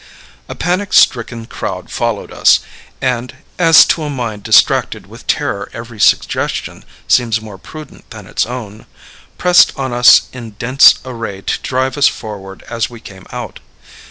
A panic stricken crowd followed us, and (as to a mind distracted with terror every suggestion seems more prudent than its own) pressed on us in dense array to drive us forward as we came out.